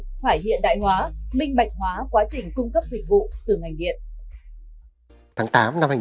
phải hiện đại hóa minh bạch hóa quá trình cung cấp dịch vụ từ ngành điện